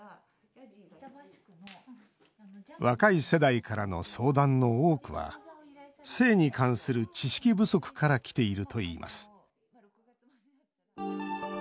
若い世代からの相談の多くは性に関する知識不足からきているといいます。